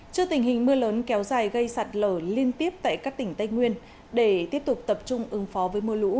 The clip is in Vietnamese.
trước tình hình mưa lớn kéo dài gây sạt lở liên tiếp tại các tỉnh tây nguyên để tiếp tục tập trung ứng phó với mưa lũ